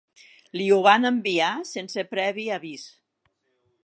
Li ho van enviar sense previ avís.